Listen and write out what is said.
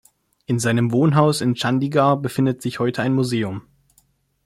In seinem Wohnhaus in Chandigarh befindet sich heute ein Museum.